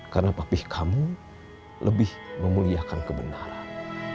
karena papih kamu lebih memuliakan kebenaran